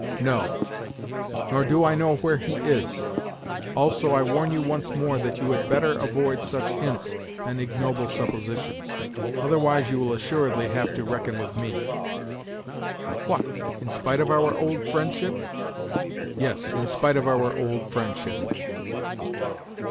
"No; nor do I know where he is. Also I warn you once more that you had better avoid such hints and ignoble suppositions; otherwise you will assuredly have to reckon with me." "What? In spite of our old friendship?" "Yes, in spite of our old friendship."